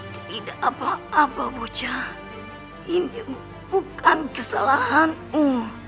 tidak apa apa bocah ini bukan kesalahanmu